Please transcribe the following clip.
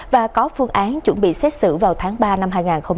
và có phương án chuẩn bị xét xử vào tháng ba năm hai nghìn hai mươi